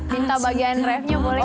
minta bagian rev nya boleh